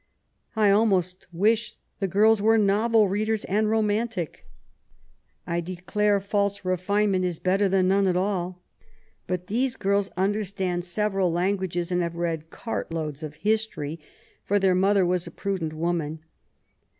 I almost wish the girls were novel readers and romantic. I declare false refinement is better than none at all ; but these girls understand several languages, and have read cartloads of history, for their mother was a prudent woman.